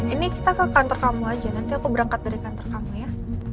ini kita ke kantor kamu aja nanti aku berangkat dari kantor kamu ya